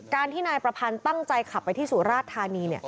ที่นายประพันธ์ตั้งใจขับไปที่สุราชธานี